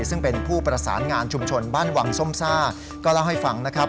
ซึ่งเป็นผู้ประสานงานชุมชนบ้านวังส้มซ่าก็เล่าให้ฟังนะครับ